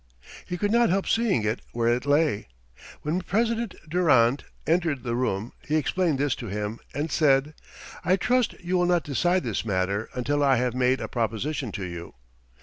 He could not help seeing it where it lay. When President Durrant entered the room he explained this to him and said: "I trust you will not decide this matter until I have made a proposition to you."